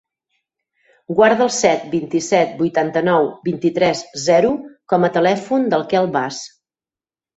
Guarda el set, vint-i-set, vuitanta-nou, vint-i-tres, zero com a telèfon del Quel Bas.